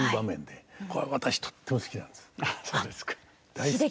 大好き。